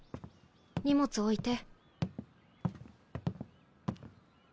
荷物置いて。